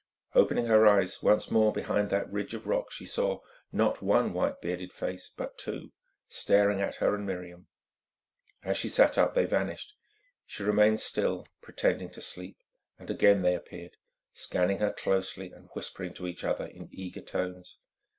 Opening her eyes, once more behind that ridge of rock she saw, not one white bearded face, but two, staring at her and Miriam. As she sat up they vanished. She remained still, pretending to sleep, and again they appeared, scanning her closely and whispering to each other in eager tones.